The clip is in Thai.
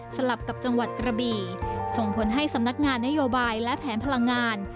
ลับกับจังหวัดกระบี่ส่งผลให้สำนักงานนโยบายและแผนพลังงาน